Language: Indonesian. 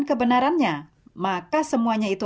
kebenarannya maka semuanya itu